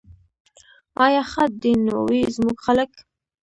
آیا ښاد دې نه وي زموږ خلک؟